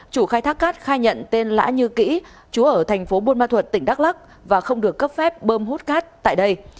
chủ khai thác cát khai nhận tên lã như kỹ chú ở thành phố buôn ma thuật tỉnh đắk lắc và không được cấp phép bơm hút cát tại đây